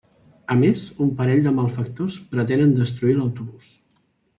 A més, un parell de malfactors pretenen destruir l'autobús.